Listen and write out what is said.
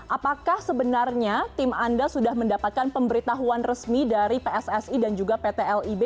apakah sebenarnya tim anda sudah mendapatkan pemberitahuan resmi dari pssi dan juga pt lib